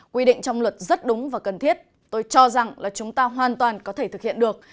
quy định trong luật rất đúng và cần thiết tôi cho rằng là chúng ta hoàn toàn có thể thực hiện được